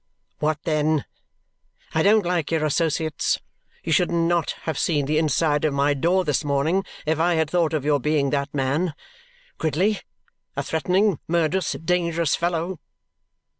"What then? I don't like your associates. You should not have seen the inside of my door this morning if I had thought of your being that man. Gridley? A threatening, murderous, dangerous fellow."